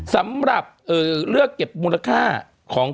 สำหรับเลือกเก็บมูลค่าของ